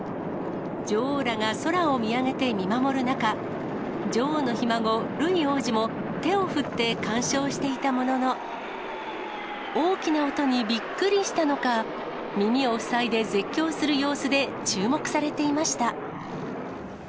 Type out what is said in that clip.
女王らが空を見上げて見守る中、女王のひ孫、ルイ王子も、手を振って観賞していたものの、大きな音にびっくりしたのか、耳を塞いで絶叫する様子で注目されていました。